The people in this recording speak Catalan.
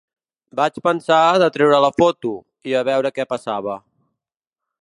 Vaig pensar de treure la foto, i a veure què passava.